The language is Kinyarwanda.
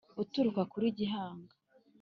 uturuka kuri gihanga